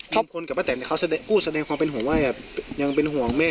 อืมคนกับป้าแตนเขาแสดงอู้แสดงความเป็นห่วงว่าอย่างยังเป็นห่วงแม่